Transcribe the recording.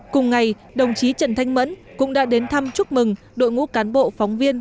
cùng ngày đồng chí trần thanh mẫn cũng đã đến thăm chúc mừng đội ngũ cán bộ phóng viên